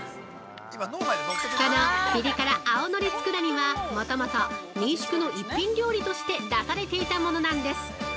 このピリカラ青のり佃煮は、もともと民宿の一品料理として出されていたものなんです。